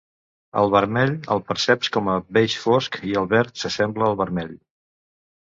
El vermell el perceps com un beix fosc i el verd s’assembla al vermell.